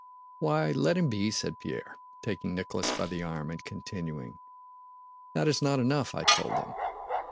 "Why? Let him be," said Pierre, taking Nicholas by the arm and continuing. "That is not enough, I told them.